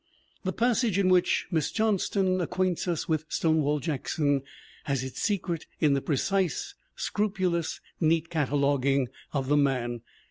The passage in which Miss Johnston acquaints us with Stonewall Jackson has its secret in the precise, scrupulous, neat cataloguing of the man.